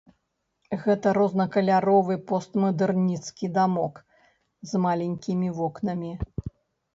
Гэта рознакаляровы постмадэрнісцкі дамок з маленькімі вокнамі.